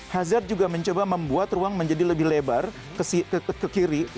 hazard juga mencoba membuat ruang menjadi lebih lebar ke kiri